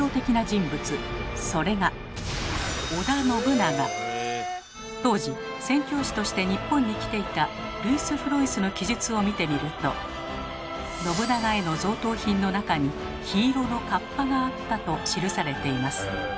なかでも当時宣教師として日本に来ていたルイス・フロイスの記述を見てみると信長への贈答品の中に「緋色の合羽」があったと記されています。